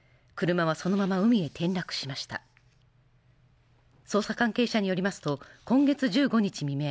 車はそのまま海へ転落しました捜査関係者によりますと今月１５日未明